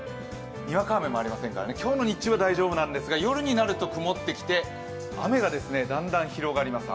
にわか雨もありませんから今日の日中は大丈夫なんですが夜になると曇ってきて雨がだんだん広がります。